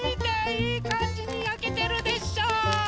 いいかんじにやけてるでしょう？